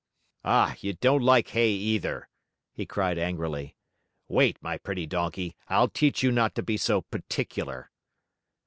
"Ah, you don't like hay either?" he cried angrily. "Wait, my pretty Donkey, I'll teach you not to be so particular."